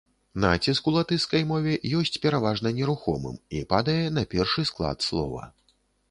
Націск у латышскай мове ёсць пераважна нерухомым і падае на першы склад слова.